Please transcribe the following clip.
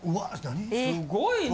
すごいね！